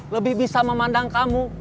lebih bisa memandang kamu